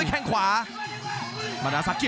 รับทราบบรรดาศักดิ์